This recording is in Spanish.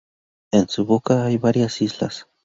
En su boca hay varias islas.